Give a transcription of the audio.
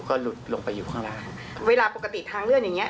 ก็หลุดลงไปอยู่ข้างล่างเวลาปกติทางเลื่อนอย่างเงี